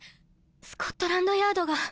スコットランドヤードが。